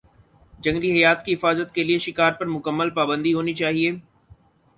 جنگلی حیات کی حفاظت کے لیے شکار پر مکمل پابندی ہونی چاہیے